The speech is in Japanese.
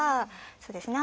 そうですね